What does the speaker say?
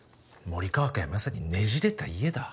森川家はまさに『ねじれた家』だ。